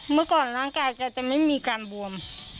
เมื่อก่อนร่างกายแกจะไม่มีการบวม